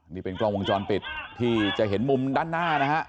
นี่เป็นกล้องวงจรปิดที่จะเห็นมุมด้านหน้านะฮะ